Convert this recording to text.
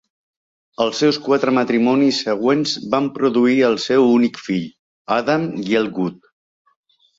Els seus quatre matrimonis següents van produir el seu únic fill, Adam Gielgud.